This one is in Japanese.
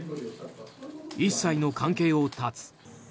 一切の関係を断つ。